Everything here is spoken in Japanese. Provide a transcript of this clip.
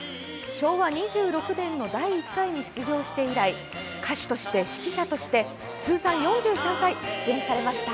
昭和２６年の第１回に出場して以来歌手として、指揮者として通算４３回出演されました。